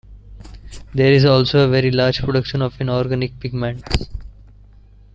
There is also a very large production of inorganic pigments.